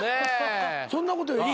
そんなことより。